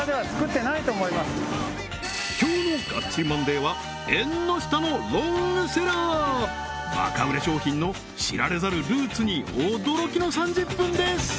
今日の「がっちりマンデー！！」はえんの下のロングセラーバカ売れ商品の知られざるルーツに驚きの３０分です！